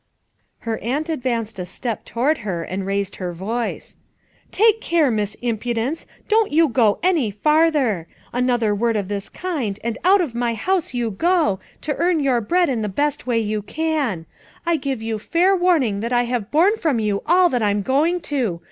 Her aunt advanced a step toward her and raised her voice. "Take care, Miss Impu dence, don't you go any farther! Another word of this kind and out of my house you go, to earn your bread in the best way you can; I give you fair warning that I have borne from you all that I'm going to.